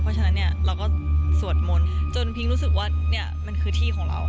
เพราะฉะนั้นเนี่ยเราก็สวดมนต์จนพิงรู้สึกว่าเนี่ยมันคือที่ของเรา